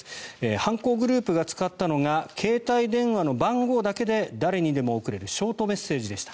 犯行グループが使ったのが携帯電話の番号だけで誰にでも送れるショートメッセージでした。